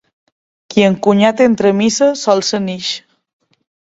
Qui amb cunyat entra a missa, sol se n'ix.